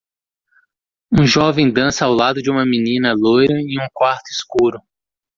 Um jovem dança ao lado de uma menina loira em um quarto escuro.